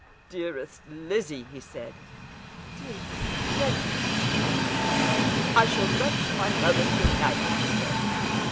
"Dearest Lizzie!" he said. "Dearest Frederic!" she murmured. "I shall write to my mother to night," he said.